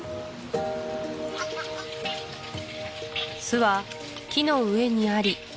巣は木の上にあり